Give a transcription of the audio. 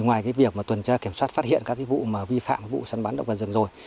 ngoài việc tuần tra kiểm soát phát hiện các vụ vi phạm vụ sán bắn động vật rừng rồi